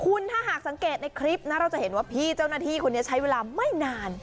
คุณถ้าหากสังเกตในคลิปนะเราจะเห็นว่าพี่เจ้าหน้าที่คนนี้ใช้เวลาไม่นาน